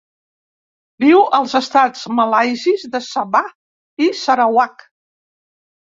Viu als estats malaisis de Sabah i Sarawak.